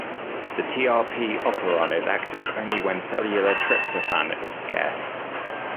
The trp operon is active only when cellular tryptophan is scarce.